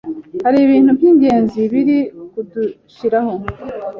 Hari ibintu by'ingenzi biri kudushiraho